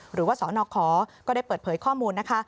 หรือว่าสนคก็ได้เปิดเผยข้อมูลนะคะ